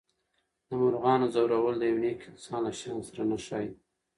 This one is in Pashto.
د مرغانو ځورول د یو نېک انسان له شان سره نه ښایي.